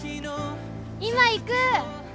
今行く！